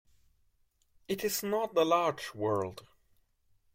It is not a large world.